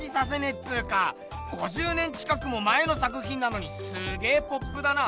っつうか５０年近くも前の作品なのにすげポップだな。